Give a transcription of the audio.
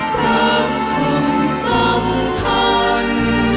สร้างสุขสัมพันธ์